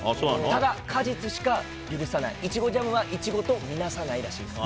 ただ、果実しか許さない、いちごジャムはいちごと見なさないらしいです。